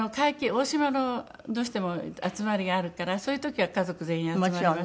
大島のどうしても集まりがあるからそういう時は家族全員集まります。